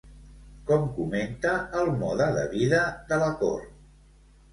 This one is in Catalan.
Com comenta el mode de vida de la cort?